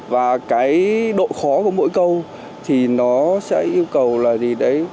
và cái độ khó của mỗi câu thì nó sẽ yêu cầu là gì đấy